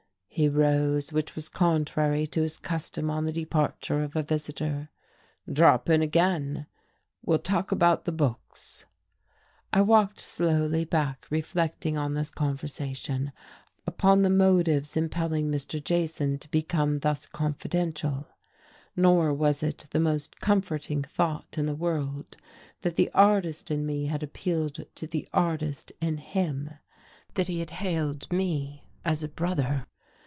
He rose, which was contrary to his custom on the departure of a visitor. "Drop in again. We'll talk about the books."... I walked slowly back reflecting on this conversation, upon the motives impelling Mr. Jason to become thus confidential; nor was it the most comforting thought in the world that the artist in me had appealed to the artist in him, that he had hailed me as a breather.